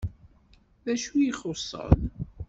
D acu i ɣ-ixuṣṣen?